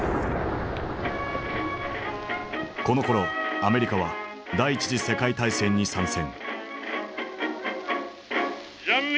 このころアメリカは第一次世界大戦に参戦。